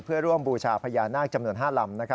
เพื่อร่วมบูชาพญานาคจำนวน๕ลำ